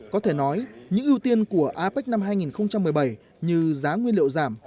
có thể nói những ưu tiên của apec năm hai nghìn một mươi bảy như giá nguyên liệu giảm